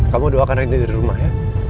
kamu doakan renny dari rumah ya